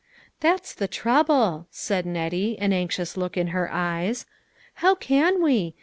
" That's the trouble," said Nettie, an anxious look in her eyes. " How can we